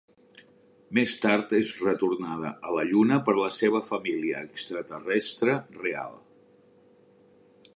Més tard és retornada a la Lluna per la seva família extraterrestre real.